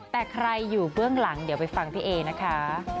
แต่ใครอยู่เบื้องหลังเดี๋ยวไปฟังพี่เอนะคะ